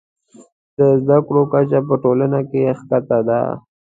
د زده کړو کچه په ټولنه کې ښکته ده.